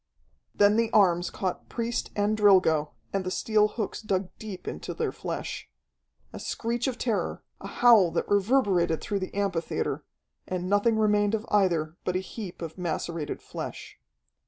Then the arms caught priest and Drilgo, and the steel hooks dug deep into their flesh. A screech of terror, a howl that reverberated through the amphitheatre, and nothing remained of either but a heap of macerated flesh.